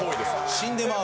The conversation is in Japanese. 死んでまう。